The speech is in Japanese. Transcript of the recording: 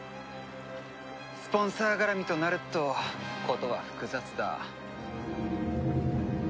スポンサー絡みとなると事は複雑だ。